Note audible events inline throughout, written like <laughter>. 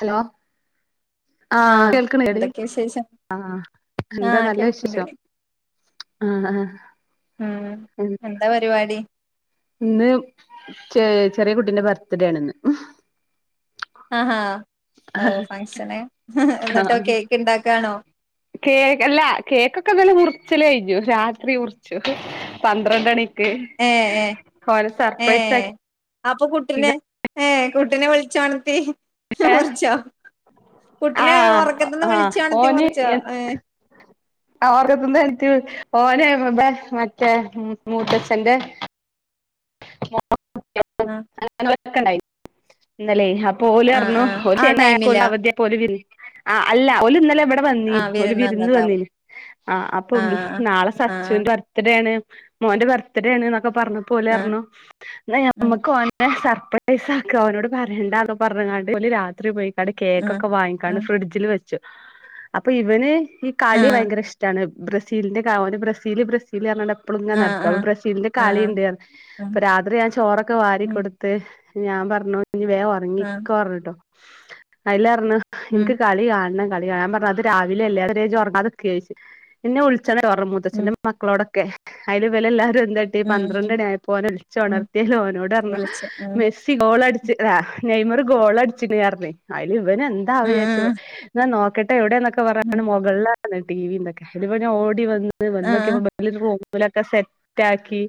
Hello കേൾക്കല്ലടി ആ കേൾക്ണ്ട് ആഹ് ആഹ് ഉം എന്താ പരിപാടി ഇന്ന് ചെ ചെറിയ കുട്ടീന്റെ ബർത്തിഡേണ് ഇന്ന് ആഹാ ഓ ഫങ്ഷന് എന്നിട്ടോ ആഹ് കേക്ക് ഇണ്ടാക്കാണോ ച്ചല് കഴിഞ്ഞു രാത്രി മുർച്ചു പന്ത്രണ്ട് മണി ക്ക് ഏ ഏ രു ഏ സർപ്രസാക്കി അപ്പൊ കുട്ടിനെ ഏ കുട്ടിനെ വിൾചോൻത്തി ഹേ ആ കുട്ടിനെ ഉറക്കത്തിന്ന് വിളിച്ചോണത്തി ഓന് മുറിച്ചോ ഏ ഓർക്കത്ത്ന്ന് എണിറ്റ് ഓനേ ബേ മറ്റേ ഉം മൂത്തച്ഛെന്റെ <unintelligible> ആ <unintelligible> ഇന്നല്ലേ ആ പോല്റഞ്ഞു ആ ആ ശനിഞായറും ടൈമിലാ <unintelligible> അവധിയെ പോലും അവര് വിര്ന്ന് ആ അല്ല ഒല് ഇന്നലെ വ് വന്നീ ആ ഒരു വിരുന്ന് വന്നതാവും വന്നീനി ആ അപ്പൊ നാളെ ആ ആ സച്ചുന്റെ ബർത്ത്ഡേ ആണ് മോന്റെ ബർത്ത്ഡേ ആണ്ന്നൊക്കെ പറഞ്ഞ ആ ആ പോലെർഞ്ഞു ആ നമ്മക്ക് ഓന്റെ ബ പൈസാക്ക ഓനോട് പറെണ്ട ന്ന് പറഞ് കാണ്ട് ഓല് രാത്രി പോയി ആ കേക്കെ വങ്ങിക്കാണ്ട് ഫ്രിഡ്ജിൽ വ ച്ചു അപ്പൊ ഇവന് ഈ ആ കളി ഭയങ്കര ഇഷ്ടാണ് ബ്രസീലിന്റെ കാവ ബ്രസീല് ബ്രസീല് അർ അളുങ്ങെ ആ ആ നടക്കുക ബ്രസീലിന്റെ ആ ആ കളിുണ്ട്ായി ആ ഇപ്പൊ രാത്രി ഞാൻ ചോറൊക്കെ വാരി ഉം കൊൊടുത്ത്... ഞാൻ പറഞ്ഞു ഇനി ഉം വേഗംറങ്ങിിക്കോ പറഞ്ഞിട്ടോ അയില്ല എനിക്ക് കളി കാണണം ഞാൻ പറഞ്ഞു അത് രാവിലെ അല്ലെ അത് വരെ ഇജ്ജ് ഉറങ്ങാതെക്കെ ഇന്നേ വിളി ച്ചാ മതി ഉം മുത്തച്ഛന്റെ മക്കളോടൊക്കെ അയിൽ ഇവലാല്ലാരും എന്തട്ടി ഉം പന്ത്രണ്ട് മണി ഓനെ ഉം വിളിച്ചോണർത്തി ഓനോട് വിളിച്ച് ഉം മെസ്സി ഗോൾ അടിച്ച് നെയ്മർ ഗോൾ അടിച്ചിക്കണ്ന്നു പറഞ്ഞു അയില് ഇവൻ എന്താ ന്നു വിചാരിച്ചു ആഹ് <unintelligible> കട്ട എവിടെ ഒക്കെ ആഹ് മുകളിൽ ടീവി ന്തൊക്കെ നോക്കി വന്നോക്കിയപ്പോൾ റൂമിൽ ഓലൊക്കെ സെറ്റ ആക്കി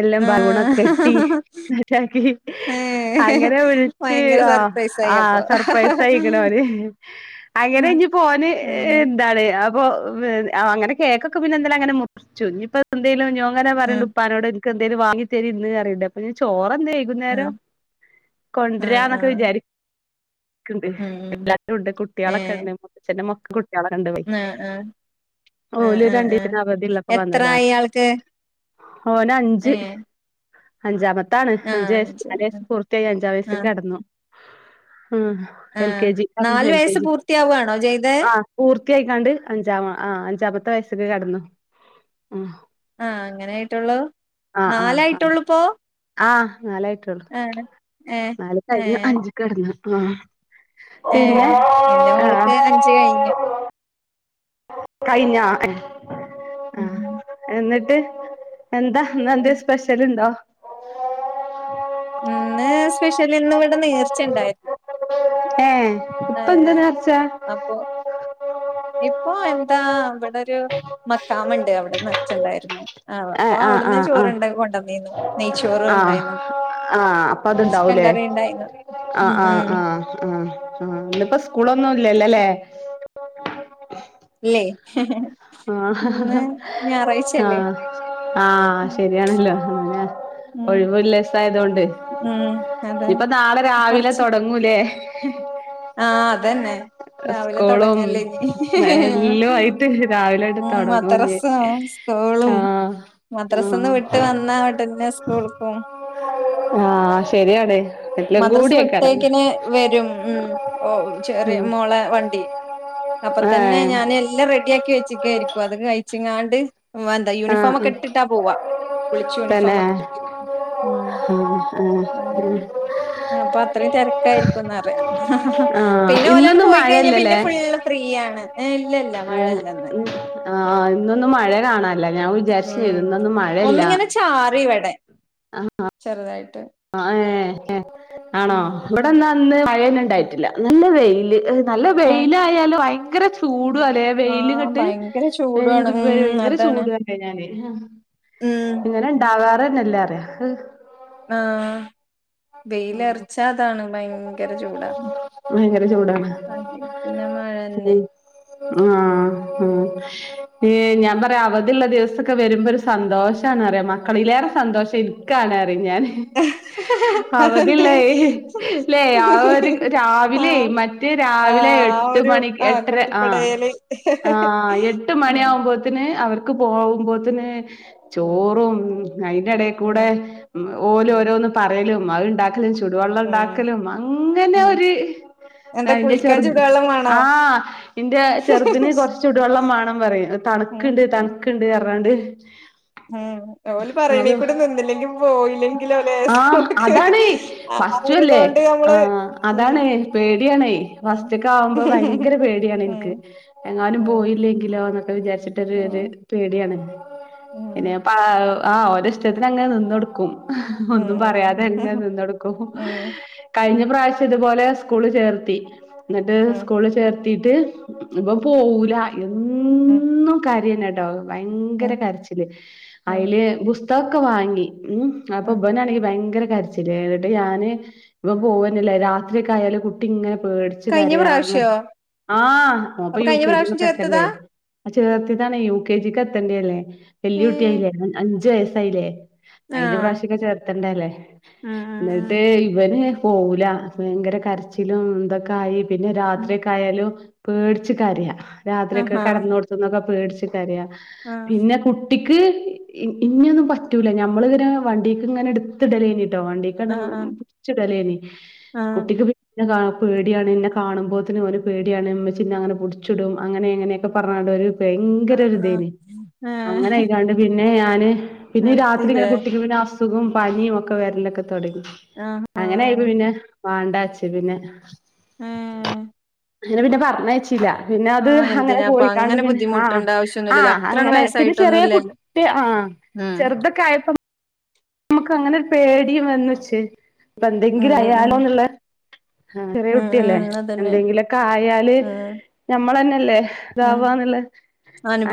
എല്ലാം ആഹ് ബലൂണൊക്കെ കെട്ടി ഏഹ് അങ്ങനെ വിളിച്ച് ഭയങ്കര സർപ്രൈസായി ആ അപ്പൊ സർപ്രൈസ് ആയിരിക്ക്‌ണ് ഒന് അങ്ങനെ ഇഞ്ഞ് പോന് ഏഹ് എന്താണ് അപ്പ അങ്ങനെ കേക്കൊക്കെ പിന്നെ എന്തേലും അങ്ങനെ മുറിച്ചു ഇനിയിപ്പോ എന്തേലും അങ്ങനെ പറയണ്ട് ആഹ് ഉപ്പാനോ എന്തെങ്കിലും വാങ്ങി താരീന്ന് ന്ന് ചോറ് വൈകുന്നേരം ആഹ് ആഹ് കൊണ്ടരാന്നൊക്കെ ആഹ് വിചാരിക്ക്‌ ണ്ട് ഉം ഉം എല്ലാം ഉണ്ട് കുട്ടികളൊക്കെ ഏഹ് മൂത്തച്ഛന്റെ മക്കള് കണ്ടു പോയി ആഹ് ആഹ് ആഹ് ഓല ആഹ് ആഹ് രണ്ടീസന് അവധിള്ളപ്പോ എത്രായി വന്നതാണ് ഒന് അഞ്ച് ഏ അഞ്ചാം മത്താണ് അഞ്ചുവയസ് നാല് വയസ് പൂർത്തിയായി അഞ്ചാംവയസ്സ് ആഹ് കിടന്നു ആഹ എൽ ആഹ് കെ ജി ആ നാല് എൽ കെ വയസ്സ് ജി പൂർത്തിയാവാണോ ചെയ്തേ ആ യിക്കാണ്ട് അഞ്ചാമ ആ അഞ്ചാമത്തെ വയസ്സക്ക്‌കിടന്നു ആ ആഹ അങ്ങനൊയിട്ടുള്ളൂ നാലായിട്ടുള്ളൂ പോ നാലായിട്ടള്ളു നാല് കഴിഞ്ഞു അഞ്ച്ക്ക്‌ കടന്ന് ആഹ ഏ എറെ മോള്ക്ക് ആഹ് അഞ്ച് കഴിഞ്ഞു കഴിഞ്ഞോ ഉം ആഹ എന്നിട്ട് <unintelligible> എന്താ ഇന്നെന്തെ ഉം സ്പെഷ്യല്ണ്ടോ? ഇന്ന് സ്പെഷ്യല് ഇന്ന് ഇവടെ നേ ർച്ചണ്ട് ഏഹ് ഇപ്പെന്താ <unintelligible> നേർച്ച അപ്പോ ഇപ്പോ എന്താ ഇവിടൊരു മക്കാമുണ്ട് അവിടെ നിറിച്ചുണ്ടായിരുന്നു ആഹ് അപ്പൊ ഏഹ് ആഹ് അവിടുന്ന് ആഹ് ആഹ് ചോറ്ണ്ടാക്ക കൊണ്ടുവന്നി നെയ്ച്ചോറ് ഉണ്ടായിരുന്നു. ആഹ അപ്പൊ പിന്നെ ചിക്കൻ അത്ണ്ടാവൂല്ലേ. കറി ഉണ്ടായിരുന്നു ഉം ആഹ ആഹ ഉം ആഹ് ആ ആ ഇന്നിപ്പോ സ്കൂളൊന്നുംല്ലല്ലോല്ലേ. <unintelligible> ഇല്ലേ ഹ്മ് ഹ് ആ ആഹ ആഹ ഉം ശരിയാണല്ലോ അങ്ങന ഒഴിവല്ലസ ആയത കൊണ്ട് ഉം അതെ ഇപ്പൊ നാളെ രാവിലെ തൊടങ്ങൂലേ ഉം ആഹ അതന്നെ രാവിലെ സ്കൂളും തൊടങ്ങല്ലേ ഇനി രാവിലെ തൊട്ട് ഉം തൊടങ്ങുലെ മദ്രസും ആ സ്കൂളും മദ്രസന്ന് ആഹ് വിട്ട് വന്ന ഉടനെ സ്കൂൾക്കും ആ ശെരി ആടെയ് മദ്രസ് വിട്ടത്തേക്കിന് വരും മ് ഓ ചെറിയ ഉം മോളെ വണ്ടി അപ്പൊ തന്നെ ഏഹ് ഞാൻ എല്ലാം റെഡിയാക്കി വെച്ചി <unintelligible> ആരിക്കും അത് കഴിച്ച <inaudible> വന്താ ആഹ് യൂണിഫോമ ആഹ് ഒക്കെ ഇട്ടിട്ടാ പോവാ കുളിച്ച് തന്നെ യൂണിഫോമ ഒക്കെ ഇ ആഹ് ആഹ് അപ്പൊ അത്രയും തിരക്കായിരിക്കുംന്ന് അറിയാം. ഹ ഹ ഹ ആഹ് പിന്നെ ഓലാണ് ഇന്നൊന്നും പോയി കഴിഞ്ഞാ പിന്നെ ഫുള്ള് ഫ്രീയാ <unintelligible> ആഹ് ആഹ് ഇന്നൊന്നും മഴ കാണാ ല്ല ഞാം ഉം വിചാര്ച്ചുംചെയ്ത് ഇന്നൊന്നും മഴല്ല. ഒന്നിങ്ങനെ ചാറി ഇവിടെ ആഹ ചെറുതായിട്ട് ആ ഏ ആണോ ഉം ഇവിടെന്നാ ന്ന് പഴയന ഉണ്ടായിട്ടില്ല നല്ല വെയില് നല്ല ആഹ് വെയിലായാലും ആയി <unintelligible> ചൂ ചൂട അല്ലെ വെയിൽ ആഹ് കട്ട് ഭയങ്കര ചൂടുവാണ് ഉം ഭയങ്കര അതാണ് ചൂടല്ലെ ഞാന് ആഹ ഉം ഇങ്ങനെണ്ട എല്ലാം അറിയാം ആഹ വെയില ഇറച്ച അതാണ് ഭയങ്കര ചൂടാ ആെ അതെ പിന്നെ മഴന്നെ ആ ഉ ഞാൻ പറയാ അവധിയുള്ള ദിവസൊക്കെ വരുമ്പോ ഒരു സന്തോഷണ അറിയ മക്കളിലേറെ സന്തോഷം എനിക്കാണ് പറയും ഞാൻ അവധി അതെന്തേ അല്ലെ ഇല്ലേര് ആഹ് രാവിലെ ആഹ് മറ്റേ രാവിലെ ആ എട്ട് ഒരു മണിക്ക് ആഹ് എട്ടര ആ കൊട്ടിപ്പടയല് ആ എട്ട് മണി ഉം ആകുമ്പോത്തന് അവർക്ക് പോകുമ്പോത്തന്നെ ഉം ചോറും അയിന്റെഡേകൂടെ ഉം ഓല് ഉം ഓരോന്ന് പറയലും <unintelligible> ചുടുവെള്ളം ഇണ്ടാ ഉം ക്കലും അങ്ങനെ ഉം എന്താ ഒരുന്റെ കുളിക്കാൻ ചെറുത് ചൂടുവെള്ളം വേണോ ആ് എന്റെ ചെറുതിന് കൊറച്ച്ചുടുവെള്ളം മേണം പറയും ഉം തണുക്കുണ്ട് ഉം തണുക്കുണ്ട് എറാണ്ട് ഉം ഓല് പറയണേ അത് കൂടെ നിന്നില്ലെങ്കിൽ പോയില്ലെങ്കില ഓ ലആ ആഹ് ഒരു ആതോണ്ട് ആ അതാണ് പേടിയാണ് ഉം ഫസ്റ്റൊക്ക ആകുമ്പോ ഭയങ്കര പേടിയാണ് ഉം എനിക്ക് എങ്ങാനും ഉം പോയില്ലെങ്കിലോ എന്നൊക്കെ വിചാരിച്ചിട്ട ഒരു ഉം പേടിയ ആണ് പിന്നെ ഉം പ ആഹ് ഓര ഇഷ്ടത്തിന് അങ്ങനെ നിന്നൊടുക്കും ഉം ഒന്നും പറയാതെ എങ്ങെ ഉം നിന്നൊടുക്കും ഉം കഴിഞ്ഞ പ്രാവശ്യം ഇതുപോലെ സ്കൂള് ചേർത്തി എന്നിട്ട് ഉം സ്കൂളി ചേർ കീട്ട് ഇപ്പൊ പോവൂല എന്നും കര അത് തന്നെ ഭയങ്കര ഉം കരച്ചില് ഉം അതില് പുസ് തകം ഒക്കെ വാങ്ങി ഉം അപ്പൊ ഉം ഇവനാണെങ്കിൽ ഭയങ്കര കരിച്ചില് എന്നിട്ട് ഞാന് ഇപ്പ പോവാനല്ലേ രാത്രി ഒക്കെ ആയാലും കുട്ടി ഇങ്ങനെ പേടിച്ചു കഴിഞ്ഞ കരയാ അങ്ങനെ പ്രാവശ്യോ ആഹ് നോപ്പ അപ്പൊ യു കഴിഞ്ഞ കെ പ്രാവശ്യം ജിക്ക ചേർത്തതാ എത്തണ്ടായിരുന്നു ചേർത്തിയതാണെയ് യു കെ ജിക്ക് എത്തേണ്ടല്ലേ ഉം വെല്യട്ടിയായിയില്ലെ ഒൻ അഞ്ച് വയസ്സ് ക്കായില്ലേ കഴിഞ്ഞ ആഹ് പ്രാവശ്യക്കെ ചേർത്തണ്ടല്ലേ ഉം ഉം ഉം ന്നിട്ട് ഇവന് പോകൂല ഭയങ്കര കരച്ചിലും തൊക്കെ ആയി പിന്നെ ഉം രാത്രിയൊക്ക ആയാലും പേടിച്ച കരയ രാത്രിയൊക്കെ ആഹാ കടന്നോട്ത്ത്ന്നൊക്കെ പേടിച്ച് കരയ ആഹ് പിന്നെ കുട്ടി ഇഞൊന്നും പറ്റൂല ഞമ്മളിങ്ങനെ വണ്ടിക്ക് ഇങ്ങനെ ഇട്ത്തിടലയ്നിം ട്ടൊ വണ്ടിക്കണ് ആഹ് ആഹ് പുട്ച്ച് ടലനിം ആഹ് കുട്ടിക്ക് പി പിന്നെ പേടിയാണ് ന്നെ കാണുമ്പോത്തിന് ഓന് പേടിയാണ് ഇമ്മച്ചി ഇന്നങ്ങനെ പിടിച്ചിടും അങ്ങനെ എങ്ങനെയൊക്കെ പറഞ്ങ്ങാണ്ടൊരു ഭയങ്കര ആഹ് ആഹ് ഒരുതേന് ഏഹ് അങ്ങനെ ആയിക്കാണ്ട് പിന്നെ ന്ന ഞാന് പിന്നെ രാത്രി ഇങ്ങെ നിർത്തില്ലേ കുട്ടക്ക് പിന്നെ സുഖം പനിയുമക്കെ വേരലൊക്കെ തുടങ്ങി ആ അങ്ങനൊയിപ്പ പിന്നെ വാണ്ടാച്ച പിന്നെ ആ അെ പിന്നെ പറഞ്ഞയ <unintelligible> പിന്നെ അത് അങ്ങനെ എന്തിനാപ്പ പോയിക്കാണ്ട് അങ്ങനെ പിന്നെ ആ ബുദ്ധിമുട്ടണ്ട ആ ആവശ്യൊന്നുല്ലല്ലോ അത്രണ്ട് അങ്ങനെ പിന്നെ ചെറിയ വയസ്സായിട്ടൊന്നുല്ലല്ലോ കുട്ടി ഉം ആചെറുതൊക്കെ ആയപ്പം നമുക്ക് അങ്ങനെ ഒരു പേടിയും വന്ന് വച്ചേ ഇപ്പ ഉം എന്തെങ്കിലും ഉം ഉം അയാലോന്നുള്ള ആ ചെറിയ ഉം കുട്ടിയല്ലേ ഉം അതന്നെ എന്തെങ്കിലൊക്കെ ആായല് ഉം ഞമ്മള തന്നെല്ലേ ഉം ഇതാവന്നുള്ള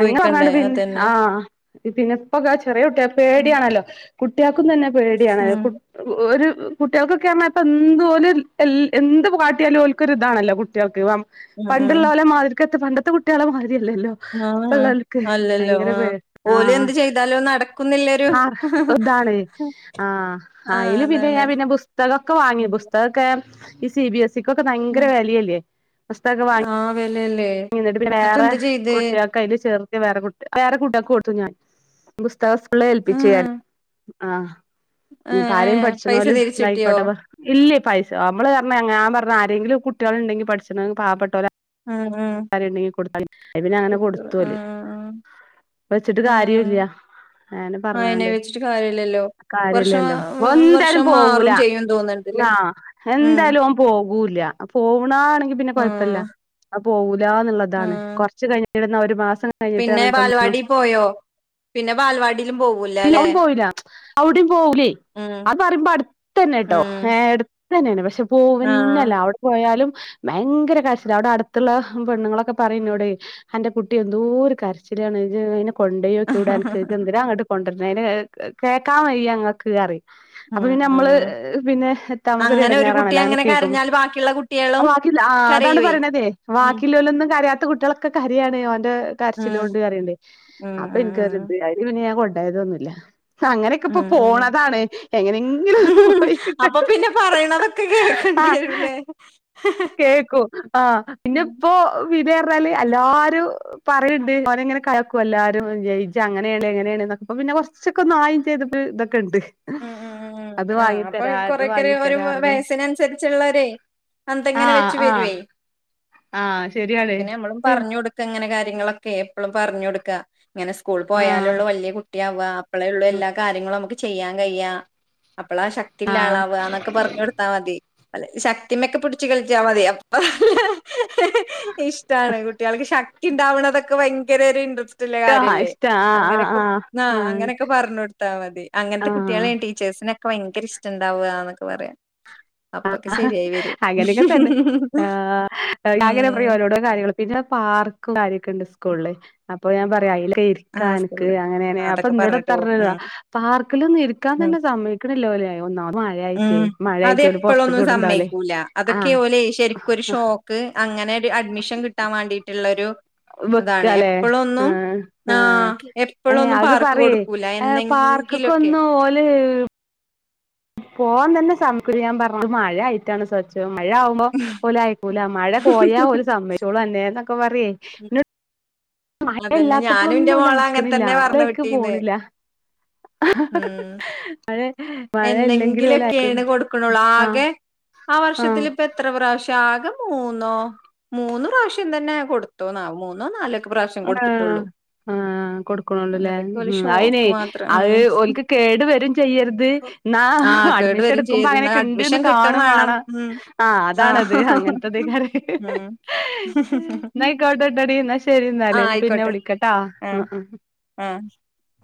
അങ്ങനെ പറഞ്ഞണ്ട് പിന്നെ അതന്നെ ആ പിന്നെപ്പക ചെറിയ കുട്ടിയ ഉം പേടിയണല്ലോ കുട്ടിക ക്കും തന്നെ പേടിയാണ് ഉം ഒരു കുട്ടികൾക്കൊക്കെ ആപ്പ എന്തോലും എന്ത് കാട്ടിയാലും ഓല്ക്കൊരു ഇതാണല്ലോ കുട്ടിൾക്ക് ഉം പണ്ടുള്ള ലെ മാതിരിക്ക.... പണ്ടത്തെ കുട്ടികളെ മാതിരിയല്ലല്ലോ ആഹ ആ ഇപ്പള്ളോൽക്ക് അല്ലല്ലോ ഭയങ്കര ആഹ പേ ഓലും ആഹ് എന്ത് ചെയ്താലോ നടക്കുന്നില്ലരു ആഹ് ഇതാണ് ആ അയി ല് പിന്നെ അതാണ് ഞൻ പിന്നെ പുസ്തകൊക്കെ വാങ്ങി ഉം പുസ്തകെ E C B S C ക്കൊക്കെ ഭയങ്കര വി ലയല്ലേ പുസ്തകൊക്കെ വാങ്ങ ആഹ് വെലല്ലേ <unintelligible> ട്ട് പിന്നെ എന്നിട്ട് വേറെ എന്ത് ചെയ്ത് കുട്ടികൾെ അതില് ചേർത്തി. വേറെ കുട്ട വേറെ കുട്ടിക കൊടുത്തു. ഞാൻ <unintelligible> ആ സ്കൂളിൽ ഏൽപ്പിച്ച് ഉം ഞാൻ ആ ഇപ്പ ഏഹ് ആരേ ഏഹ് പഠിച്ചണ പൈസ പോല തിരിച്ചിട്ടിയോ ഇന്തായിക്കോട്ടെ ഇല്ലേ പൈസ നമ്മള് പറഞ്ഞ ആ ആരെങ്കിലും കുട്ടികളണ്ടെങ്കിൽ പഠിച്ചണമെങ്ക പാവപ്പെട്ടല്ലോ ഉം ഉം സരി എണ്ണക്ക് കൊടുത്താ പിന്നെ അങ്ങനെ കൊടുത്തു കൊടുത്തുഓല് ആഹ് വെച്ചിട്ട് ആഹ് കാര്യല്ല നെ അയിനെ പറഞ്ഞണ്ട് വെച്ചിട്ട് കാര്യല്ലല്ലോ വർഷം കാര്യല്ലല്ലോ എന്തായാലും വർഷം പോവൂല മാറും ചെയ്യും തോന്ന്ണ്ട്ല്ലേ ആ ഉം എന്തായാലും ൻ പോകൂല്ല പോവണ ആണെങ്കി പിന്നെ കൊഴപ്പില്ല ആഹ് പോവുലാ ന്നുള്ളതാണ് ആഹ് കുറച്ചു കഴിഞ്ഞാൽ ഇടുന്ന ഒരു മാസം കഴിഞ്ഞിട്ടാണ് പിന്നെ കേട്ടൊ ഒന്നുംും ബാലവാടി പോയോ പിന്നെ ബാലവാടിലും പോവൂലല്ലേ പോയില അവിടയും പോകൂലേ ഉം അത് പറയുമ്പോ അടുത്ത തന്നെട്ടോ ഉം ഏ തന്നെ യാണ് പക്ഷ ആഹ് പോവന്നല്ല അവിടെ പോയാലും ഭയങ്കര കാരചില അവിടെ അടുത്ത ത്തുള്ള പെണ്ണുങ്ങളൊക്കെ പറയുന്നോടെ അന്റെ കുട്ടി എന്തോര് കരച്ചിലാണ് ജ്ജ് അ കൊണ്ടയോക്കൂടെ അനക് ഉം <unintelligible> അങ്ങട്ട് കൊണ്ട അേ കേൾക്കാൻ വയ്യ ങ്ങൾക്ക് റെ അപ്പൊ പിന്നെ നമ്മള് ഉം പിന്നെ എത്താനമുക്ക് അങ്ങനെ ഒരു കുട്ടി എടങ്ങാറാണല്ലോ അങ്ങനെ കേൾക്കും കരഞ്ഞാൽ ബാക്കിയുള്ള അ കുട്ടികളും ബാക്കി ആ അതാണ് കരയുവേ പറയണതേ ഉം ബാക്കില്ലോല്ലൊന്ന കരിയാത്ത കുട്ടിയോലൊക്കെ കാര്യണോ ഉം കരച്ചിലൊണ്ട് ഉം അപ്പൊ എനിക്ക് ഉം പിന്നെ അതായതൊന്നുല്ല. അങ്ങനെയൊക്കെ ഇപ്പൊ ഉം ഉം ഉം പോണതാണ് എങ്ങനെങ്കിലു പോയി അപ്പൊ കിട്ടട്ടെ പിന്നെ പറയണതൊക്കെ ആ കേക്കേണ്ടി വരൂല്ലേ കേക്കും ആ ഉം ന്നിപ്പോ വിലറിഞ്ഞാല് അല്ലാരും പറയ്ൽണ്ട് ഓനെങ്ങിനെ കളിയാക്കും എല്ലാരും ജയിച്ച അങ്ങനെയാണ് ഇങ്ങനെയാണന്നൊക്കപ്പ പിന്നെ കൊറച്ചൊക്കൊന്നായിം ചെയ്തിട്ട് ഇതൊക്കെണ്ട്. ഉം ഉം ഉം ഉം ആ അപ്പ ഇത് കൊറെ കുറെ ഒരു വാങ്ങിത്തരാ പറഞ്ഞ് വയസ്സിനനുസരിച്ചുള്ളരെ ആ ടെങ്ങനെ വെച്ച് ആ വെരുവേ. ആ ശെരിയാണ് ര്യങ്ങളൊക്കെ എപ്പളും പർഞ്ഞൊട്ക്കാ. ഇങ്ങനെ സ്കൂൾ ആ പോയാലൊള്ളു വെല്ല്യെ കുട്ട്യാവാ അപ്പളെ ള്ളു എല്ലാ കാര്യങ്ങളു അമ ചെയ്യാ കയ്യാ അപ്പളാ ശക്തിള്ള ആ ളാവാ ന്നൊക്കെ പർഞ്ഞൊട്ത്താ മതി. അല്ല ശക്തിമെക്ക് പിടിച്ച് കയറ്റ്യാ മതി അപ്പ ഇഷ്ടാണ് കുട്ട്യൾക്ക് ശ ക്തിണ്ടാവണതൊക്കെ വയങ്കരൊര് ഇൻട്രെസ് റ്റ്ല്ലേ ആ കാര്യല്ലേ ഇഷ്ട ആ ആ അങ്ങനൊക്കെ ആ അങ്ങനൊക്കെ പർഞ്ഞൊട്ത്താ മതി ആ അങ്ങൻത്തെ കു ട്ട്യാളേം ടീച്ചേഴ്സി വയങ്കര ഇഷ്ടണ്ടാവാന്നൊക്കെ പറ്യാ. ആ അങ്ങനെക്കെ തന്നെ ആ ഞാങ്ങനെ പറിം ഉം ഓരോരോ കാര്യങ്ങള് പിന്നെ പാർക്കും കാര്യങ്ങളൊക്കെണ്ട് സ് കൂൾള് അപ്പ ഞാം പറ്യാ അയില ആ ക്കഇരിക്കാൻക്ക് സ്കൂളില് അങ്ങനാണ് അതൊക്കെ പറഞ്ഞിട്ട് അപ്പൊന്നോടെത്ത പോകും ർഞ്ഞെന്നോ ഉം പാർക്കിലൊന്നും ഇരിക്കാൻ ഉം തന്നെ സമ്മയ്ക്ക്ണിലോല് ഒന്നാമത് മഴയായ്ട്ടെ മഴയ് എപ്പളോന്നും സമ്മയിക്കൂല അതൊക്കെ ഓല് ശെരിക്കൊരു ഷോക്ക് അങ്ങനെ ഒരു അഡ്മിഷൻ കിട്ടാൻ വാണ്ടിട്ടുള്ളോരു വെക്കാലേ ആ ആ ആഹ് ഏ എപ്പഴൊന്നും അത് പാർക്ക് പറേയ് കൊടുക്കൂല എന്നെങ്കിലൊക്കെ പാർക്ക്ക്കൊന്നും ഓല് പോവാൻ തന്നെ സമ്മതിക്കൂല ഞാൻ പറഞ്ഞു ക്ക് മഴയായിട്ടാണ് സച്ചു. മഴ ആമ്പോ ഓലയിക്കൂല മഴ പോയാ ഓല് സമ്മയിച്ചോളൂന്നെ ന്നൊക് ക്കെപ്പറയേ മഴ അതന്നെ ഞാനും ഇല്ലാത്തപ്പോളൊന്നും ഇന്റെ മോളെ അങ്ങനെ ഓലയക്കണില്ല തന്നെ പറഞ്ഞ് ലേക്ക് വിട്ടീന്ന് പോണില്ല. ഉം അതെ എന്നെങ്കിലൊക്കെയാണ് കൊടുക്കണുള്ളൂ ആഹ് ആകെ ആ ആഹ് വർഷത്തിലിപ്പ എത്ര പ്രാ ആകെ മൂന്നോ മൂന്ന് പ്രാശ്യം തന്നെ കൊടുത്തോന്ന മൂന്നോ നാല ആ ആ കൊടുക്കണൊണ്ട്ല്ലേ അതൊക്കെ ഓലെ ഉം അയിനേ ഷോക്ക് മാത്രം അത് ഉം ഓൾക്ക് കേടു വരേം ചെയ്യര് ത് ന്ന ആഹ് കേട് അഡ്മിഷൻ വരും എടുക്കുമ്പോ ചെയ്ത് ന്നാ അങ്ങനെയക്കെണ്ട്ന്ന് അഡ്മിഷൻ കിട്ടും കാണുംവേ വേണം ണം ഉം ആ അതാണത് ആഹ് അങ്ങനത്തത് കറി ഉം എന്നക്കോട്ടെട്ടടി എന്നാ ശരി ആഹ് ല്ലെന്ന് പിന്നെ ആയിക്കോട്ടെ വിളിക്കട്ടാ ആ ആഹ് ആഹ് ആ